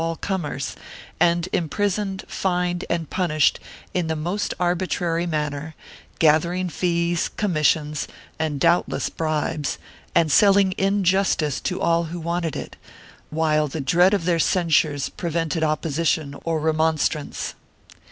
34 530 POPULAR HOSTILITY [BOOK II comers and imprisoned, fined and punished in the most arbitrary manner, gathering fees, commissions and doubtless bribes and selling injustice to all who wanted it, while the dread of their censures prevented opposition or remonstrance.